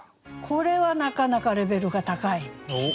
これはなかなかレベルが高い。